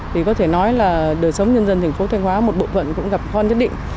thì có thể nói là đời sống nhân dân thành phố thanh hóa một bộ phận cũng gặp con nhất định